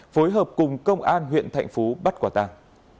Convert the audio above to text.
phối hợp cùng công an huyện thạnh phú bắt quả tàng